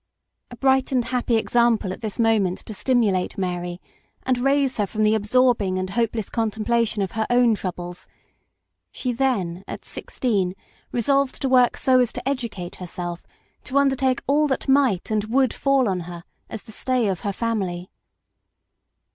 A bright and happy example at this moment to stimulate Mary, and raise her from the absorbing and hopeless contemplation of her own troubles ; she then, at sixteen, resolved to work so as to educate herself to undertake all that might and would fall on her as the stay of her family.